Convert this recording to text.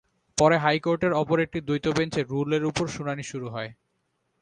পরে হাইকোর্টের অপর একটি দ্বৈত বেঞ্চে রুলের ওপর শুনানি শুরু হয়।